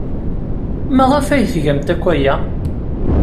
Maɣef ay tgamt akk aya?